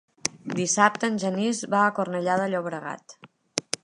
Dissabte en Genís va a Cornellà de Llobregat.